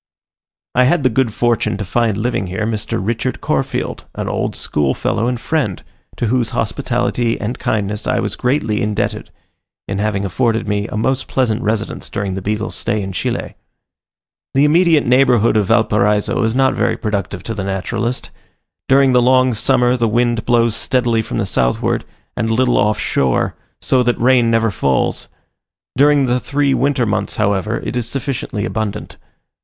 I had the good fortune to find living here Mr. Richard Corfield, an old schoolfellow and friend, to whose hospitality and kindness I was greatly indebted, in having afforded me a most pleasant residence during the Beagle's stay in Chile. The immediate neighbourhood of Valparaiso is not very productive to the naturalist. During the long summer the wind blows steadily from the southward, and a little off shore, so that rain never falls; during the three winter months, however, it is sufficiently abundant.